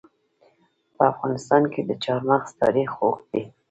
په افغانستان کې د چار مغز تاریخ اوږد دی.